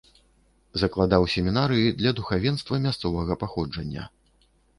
Закладаў семінарыі для духавенства мясцовага паходжання.